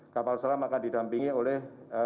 kapal selam akan didampingi oleh